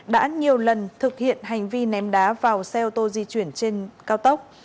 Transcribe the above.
đã nhiều lần thực hiện hành vi ném đá vào xe ô tô di chuyển trên cao tốc